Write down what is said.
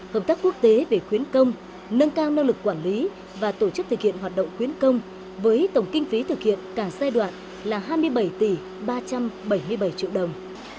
hợp tác quốc tế về khuyến công nâng cao năng lực quản lý và tổ chức thực hiện hoạt động quyến công với tổng kinh phí thực hiện cả giai đoạn là hai mươi bảy tỷ ba trăm bảy mươi bảy triệu đồng